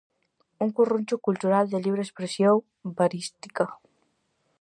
Un curruncho cultural de libre expresión "barística".